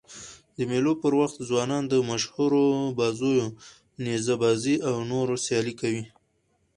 د مېلو پر وخت ځوانان د مشهورو بازيو: نیزه بازي او نورو سيالۍ کوي.